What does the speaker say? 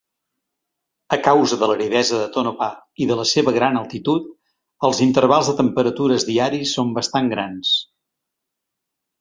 A causa de l'aridesa de Tonopah i de la seva gran altitud, els intervals de temperatures diaris són bastant grans.